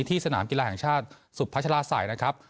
สนามกีฬาแห่งชาติสุพัชลาศัยนะครับ